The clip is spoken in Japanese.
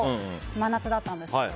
真夏だったんですけど。